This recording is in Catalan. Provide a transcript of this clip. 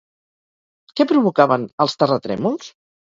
Què provocaven els terratrèmols?